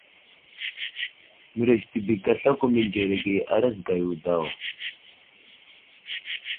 Mərez tibik aslako mənzerege a razga yo daw.